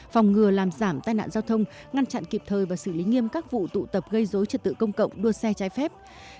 phòng ngừa làm giảm tai nạn giao thông ngăn chặn kịp thời và xử lý nghiêm các vụ tụ tập gây dối trật tự công cộng đua xe trái phép